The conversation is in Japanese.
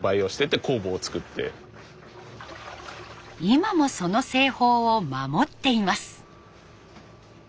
今もその製法を守っています。